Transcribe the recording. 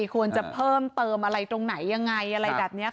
ควรจะเพิ่มเติมอะไรตรงไหนยังไงอะไรแบบนี้